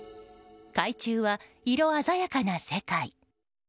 海中は色鮮やかな世界。